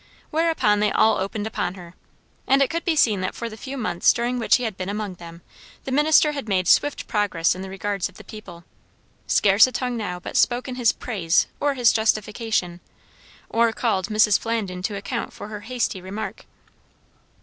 Whereupon they all opened upon her. And it could be seen that for the few months during which he had been among them, the minister had made swift progress in the regards of the people. Scarce a tongue now but spoke in his praise or his justification, or called Mrs. Flandin to account for her hasty remark.